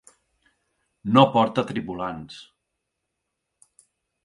No porta tripulants.